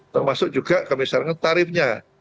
termasuk juga tarifnya